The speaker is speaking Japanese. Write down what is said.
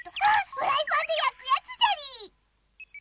フライパンでやくやつじゃりー！